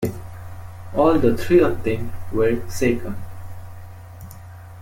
All the three of them were shaken.